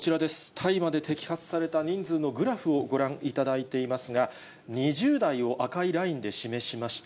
大麻で摘発された人数のグラフをご覧いただいていますが、２０代を赤いラインで示しました。